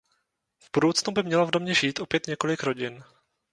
V budoucnu by mělo v domě žít opět několik rodin.